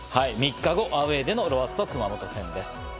３日後、アウェーでのロアッソ熊本戦です。